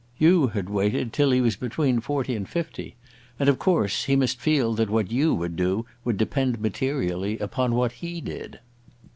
You had waited till he was between forty and fifty, and, of course, he must feel that what you would do would depend materially upon what he did."